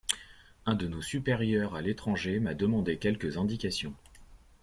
Un de nos supérieurs à l'étranger m'a demandé quelques indications.